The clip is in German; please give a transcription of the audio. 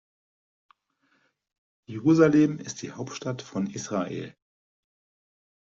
Jerusalem ist die Hauptstadt von Israel.